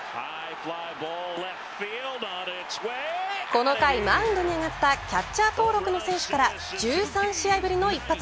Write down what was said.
この回マウンドに上がったキャッチャー登録の選手から１３試合ぶりの一発。